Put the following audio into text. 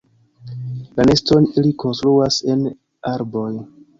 La neston ili konstruas en arboj.